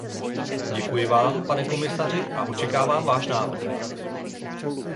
Děkuji Vám, pane komisaři, a očekávám váš návrh.